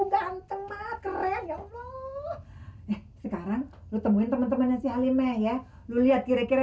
cantik banget keren ya allah sekarang lu temuin temen temennya si halime ya lu lihat kira kira